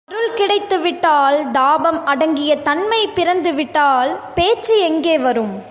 இறைவனது அருள் கிடைத்துவிட்டால், தாபம் அடங்கிய தன்மை பிறந்துவிட்டால், பேச்சு எங்கே வரும்?